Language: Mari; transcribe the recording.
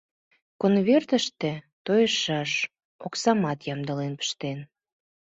Конвертыште тойышаш оксамат ямдылен пыштен.